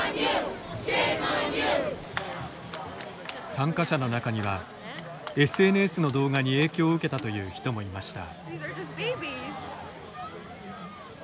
参加者の中にはＳＮＳの動画に影響を受けたという人もいました。